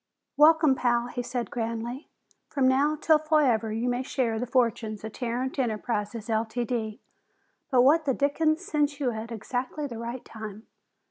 "Welcome, Pal!" he said grandly. "From now to forever you may share the fortunes of Tarrant Enterprises, Ltd.! But what the dickens sent you at exactly the right time?"